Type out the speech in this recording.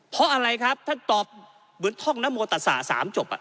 เพราะอะไรครับท่านตอบเหมือนท่องนโมตศาสตร์๓จบ